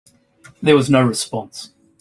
There was no response.